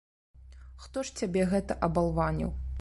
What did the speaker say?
Хто ж цябе гэта абалваніў?